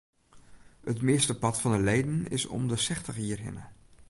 It meastepart fan de leden is om de sechstich jier hinne.